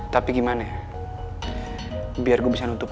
buat keuangan ke perusahaan gue ini